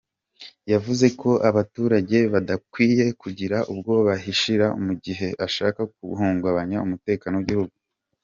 Yavuze ko abaturage badakwiye kugira uwo bahishira mu gihe ashaka guhungabanya umutekano w’igihugu.